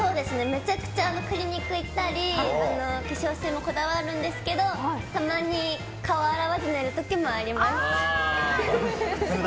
めちゃくちゃクリニック行ったり化粧水もこだわるんですけどたまに顔を洗わず寝る時もあります。